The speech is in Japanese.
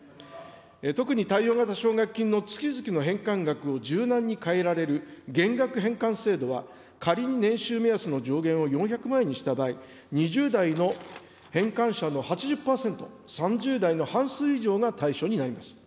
特に貸与型奨学金の月々の返還額を柔軟に変えられる減額返還制度は、仮に年収目安の上限を４００万円にした場合、２０代の返還者の８０％、３０代の半数以上が対象になります。